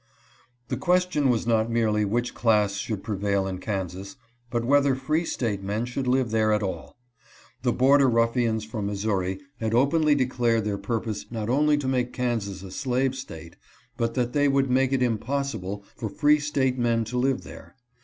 The question was not merely which class should prevail in Kansas, but whether free State men should live there at all. The border ruffians from Missouri had openly de clared their purpose not only to make Kansas a slave State, but that they would make it impossible for free State men to live there.